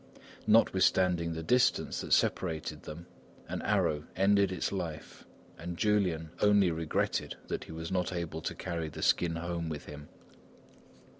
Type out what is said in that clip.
Notwithstanding the distance that separated them, an arrow ended its life and Julian only regretted that he was not able to carry the skin home with him.